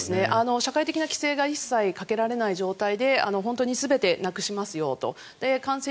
社会的な規制が一切かけられない状態で本当に全てなくしますよと。